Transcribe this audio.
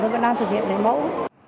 vẫn đang thực hiện lấy mẫu